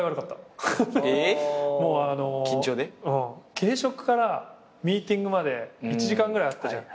軽食からミーティングまで１時間ぐらいあったじゃん。